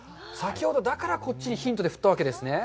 だからこっちにヒントで振ったわけですね。